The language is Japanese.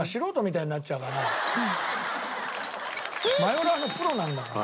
マヨラーのプロなんだから。